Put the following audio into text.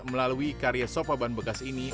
melalui karya sopa ban bekas ini